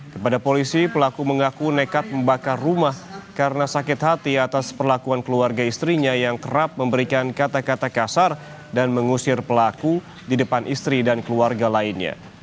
kepada polisi pelaku mengaku nekat membakar rumah karena sakit hati atas perlakuan keluarga istrinya yang kerap memberikan kata kata kasar dan mengusir pelaku di depan istri dan keluarga lainnya